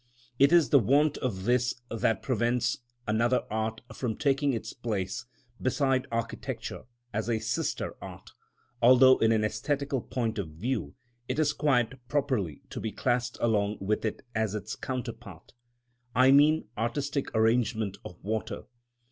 It is the want of this that prevents another art from taking its place beside architecture as a sister art, although in an æsthetical point of view it is quite properly to be classed along with it as its counterpart; I mean artistic arrangements of water.